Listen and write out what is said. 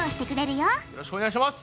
よろしくお願いします！